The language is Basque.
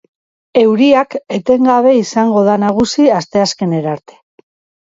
Euriak etengabe izango da nagusi asteazkenerarte.